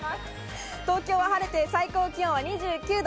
東京は晴れて、最高気温は２９度。